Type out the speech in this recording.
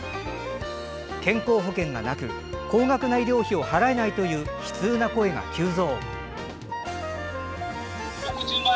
健康保険がなく高額な医療費を払えないという悲痛な声が急増。